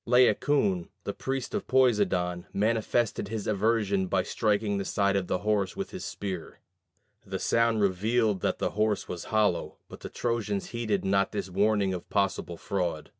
Laocoon, the priest of Poseidon, manifested his aversion by striking the side of the horse with his spear. The sound revealed that the horse was hollow, but the Trojans heeded not this warning of possible fraud.